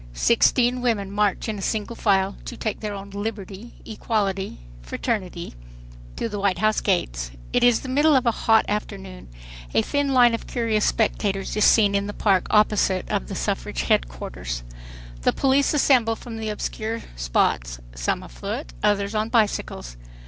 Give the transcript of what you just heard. Sixteen women march in single file to take their own "Liberty, Equality, Fraternity" to the White House gates. It is the middle of a hot afternoon. A thin line of curious spectators is seen in the park opposite the suffrage headquarters. The police assemble from obscure spots; some afoot, others on bicycles.